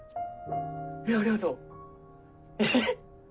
いやありがとうええっ？